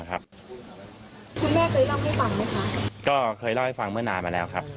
ก็เคยเล่าให้ฟังเมื่อนานมาแล้วครับ